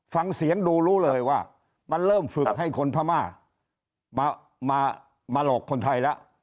ฟังเสียงดูรู้เลยว่ามันเริ่มฝึกให้คนพม่ามาหลอกคนไทยแล้ว